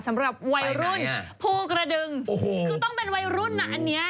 สำหรับวัยรุ่นภูกระดึงโอ้โหคือต้องเป็นวัยรุ่นอ่ะอันนี้